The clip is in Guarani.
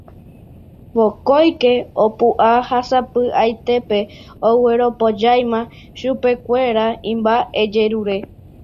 Vokóike opu'ã ha sapy'aitépe ogueropojáima chupekuéra imba'ejerure